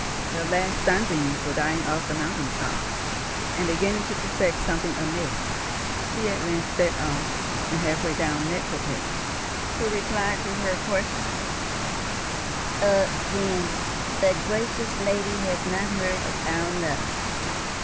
The last sunbeams were dying off the mountain tops, and, beginning to suspect something amiss, she at length set off, and half way down met Koppel, who replied to her question, "Ah, then, the gracious lady has not heard of our luck.